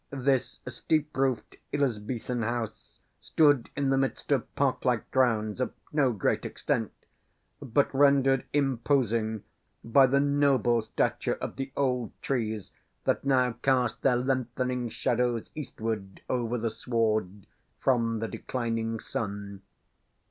This steep roofed Elizabethan house stood in the midst of park like grounds of no great extent, but rendered imposing by the noble stature of the old trees that now cast their lengthening shadows eastward over the sward, from the declining sun.